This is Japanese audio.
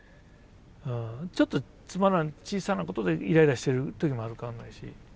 ちょっとつまらない小さなことでイライラしてる時もあるか分かんないし。